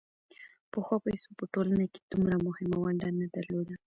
پخوا پیسو په ټولنه کې دومره مهمه ونډه نه درلوده